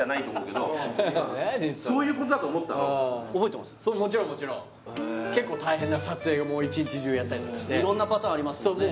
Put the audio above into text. そういうことだと思ったのもちろんもちろん結構大変な撮影も一日中やったりして色んなパターンありますもんね